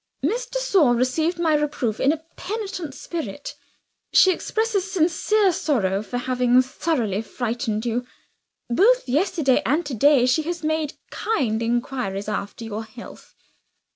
"Miss de Sor received my reproof in a penitent spirit; she expresses sincere sorrow for having thoughtlessly frightened you. Both yesterday and to day she has made kind inquiries after your health.